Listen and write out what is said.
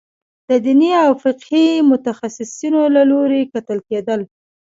د دیني او فقهي متخصصینو له لوري کتل کېدل.